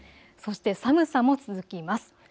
そして寒さも続きます。